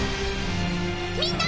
みんな！